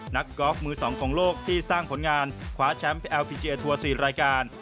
นักกอล์ฟมือสองโครงโลกที่สร้างผลงานคว้าแชมป์เเอิพีเกียทัวร์สี่รายการ